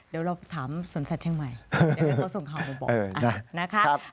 เดี๋ยวเราถามสวนสัตว์เชียงใหม่เดี๋ยวให้เขาส่งข่าวมาบอกนะคะ